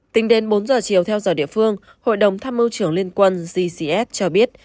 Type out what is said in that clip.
tính đến bốn giờ chiều theo giờ địa phương hội đồng tham mưu trưởng liên quân gcs cho biết